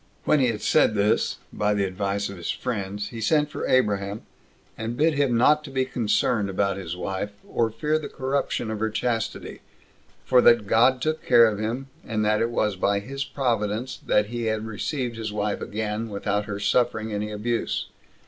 When he had said this, by the advice of his friends, he sent for Abraham, and bid him not to be concerned about his wife, or fear the corruption of her chastity; for that God took care of him, and that it was by his providence that he received his wife again, without her suffering any abuse.